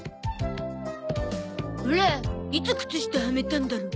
オラいつ靴下はめたんだろ？